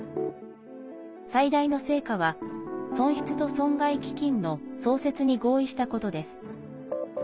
最大の成果は、損失と損害基金の創設に合意したことです。